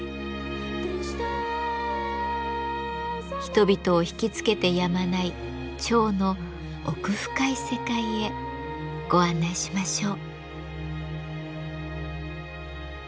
人々を惹きつけてやまない蝶の奥深い世界へご案内しましょう。